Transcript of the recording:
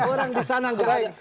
orang di sana tidak ada